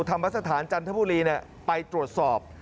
ธรรมสถานจันทบุรีไปตรวจสอบ